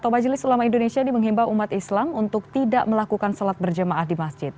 majelis ulama indonesia di menghimbau umat islam untuk tidak melakukan sholat berjemaah di masjid